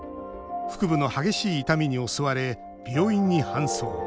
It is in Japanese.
腹部の激しい痛みに襲われ病院に搬送。